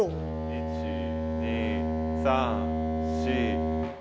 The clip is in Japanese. １２３４５６。